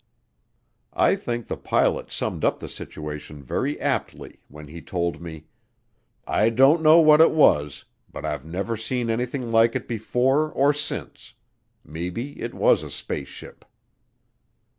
I think the pilot summed up the situation very aptly when he told me, "I don't know what it was, but I've never seen anything like it before or since maybe it was a spaceship."